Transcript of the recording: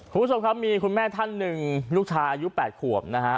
คุณผู้ชมครับมีคุณแม่ท่านหนึ่งลูกชายอายุ๘ขวบนะฮะ